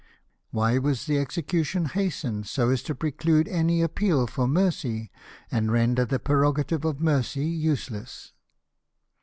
Why was the execution hastened so as to preclude any appeal for mercy, and render the prerogative of mercy useless